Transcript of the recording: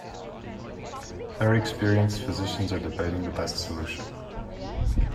Very experienced physicians are debating the best solution.